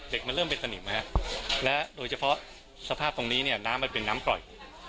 เหล็กมันเริ่มเป็นสนิมและโดยเฉพาะสภาพตรงนี้น้ำมันเป็นน้ำปล่อย